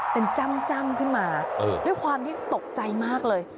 เป็นจ้ำขึ้นมาด้วยความที่ตกใจมากเลย